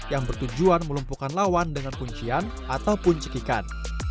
yang bertujuan melumpuhkan lawan dengan kuncian ataupun cekikan